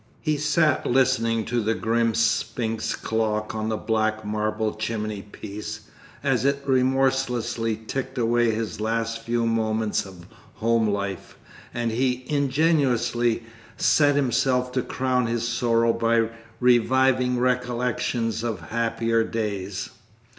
He sat listening to the grim sphinx clock on the black marble chimneypiece, as it remorselessly ticked away his last few moments of home life, and he ingeniously set himself to crown his sorrow by reviving recollections of happier days.